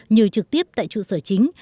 như trực tiếp tại trụ sở chính